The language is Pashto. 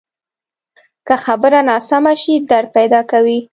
که خبره ناسمه شي، درد پیدا کوي